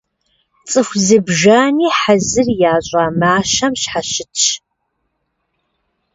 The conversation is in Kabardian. Цӏыху зыбжани хьэзыр ящӏа мащэм щхьэщытщ.